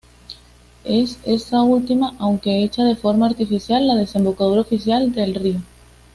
Es esta última, aunque hecha de forma artificial, la desembocadura oficial del río.